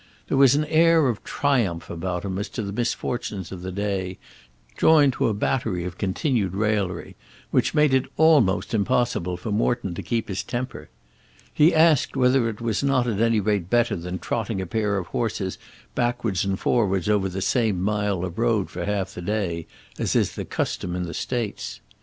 There was an air of triumph about him as to the misfortunes of the day, joined to a battery of continued raillery, which made it almost impossible for Morton to keep his temper. He asked whether it was not at any rate better than trotting a pair of horses backwards and forwards over the same mile of road for half the day, as is the custom in the States.